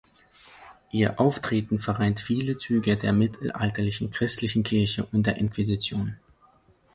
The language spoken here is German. Ihr Auftreten vereint viele Züge der mittelalterlichen christlichen Kirche und der Inquisition.